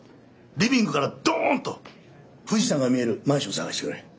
リビングからドンと富士山が見えるマンションを探してくれ！